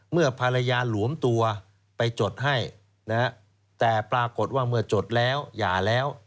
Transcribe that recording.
เมื่อภรรยาหลวมตัวไปจดให้นะฮะแต่ปรากฏว่าเมื่อจดแล้วหย่าแล้ว